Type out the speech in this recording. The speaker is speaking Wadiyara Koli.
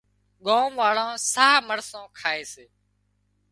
ڳام واۯان ساهََه مرسان کائي سي